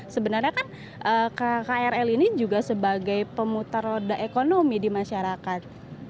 sebenarnya kan krl ini juga sebagai pemutar roda ekonomi di masyarakat